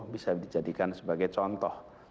bisa dijadikan sebagai contoh